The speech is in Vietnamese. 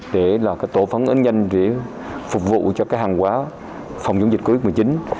để là cái tổ phấn nhanh nhanh để phục vụ cho cái hàng quá phòng dùng dịch covid một mươi chín